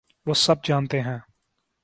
وہ سب جانتے ہیں۔